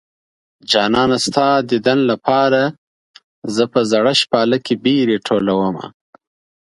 جانانه ستا ديدن لپاره زه په زړه شپاله کې بېرې ټولومه